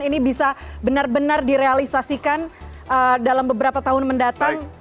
ini bisa benar benar direalisasikan dalam beberapa tahun mendatang